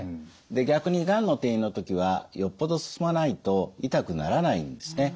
で逆にがんの転移の時はよっぽど進まないと痛くならないんですね。